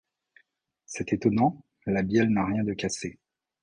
C’est étonnant, la bielle n’a rien de cassé.